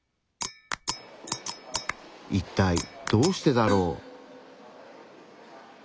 一体どうしてだろう？